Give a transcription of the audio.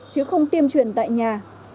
chứ không tiêm truyền tại nhà